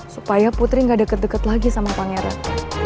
supaya putri gak deket deket lagi sama pangeran